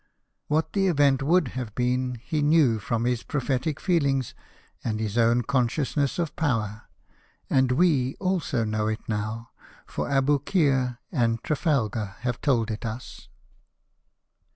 What the event would have been, he knew from his prophetic feelings, and his own conscious ness of power ; and we also know it now, for Aboukir and Trafalgar have told it us.